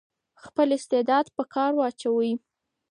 خپل استعداد په کار واچوئ.